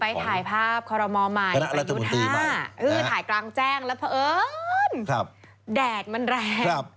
ไปถ่ายภาพคอรมมอร์ใหม่ประณะรัฐบุญตีใหม่ถ่ายกลางแจ้งแล้วเพราะเอิ้นแดดมันแรง